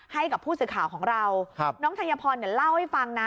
ให้กับผู้สื่อข่าวของเราน้องธัญพรเนี่ยเล่าให้ฟังนะ